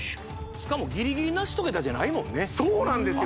しかもギリギリな１桁じゃないもんねそうなんですよ